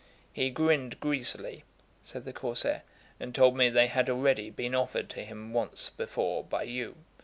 "He grinned greasily," said the Corsair, "and told me they had already been offered to him once before by you."